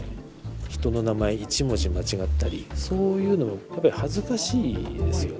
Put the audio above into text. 人の名前一文字間違ったりそういうのが恥ずかしいですよね。